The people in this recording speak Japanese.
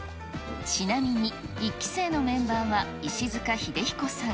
ちなみに、１期生のメンバーは石塚英彦さん。